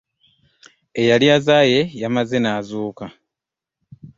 Eyali azaaye yamaze n'azuuka.